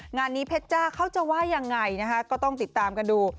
งานนี้เพชจ้าเข้าจะไว้ยังไง